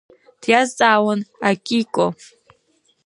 Диазҵаауан Акико.